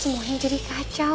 semuanya jadi kacau